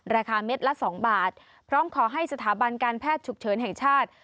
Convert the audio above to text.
เม็ดละ๒บาทพร้อมขอให้สถาบันการแพทย์ฉุกเฉินแห่งชาติ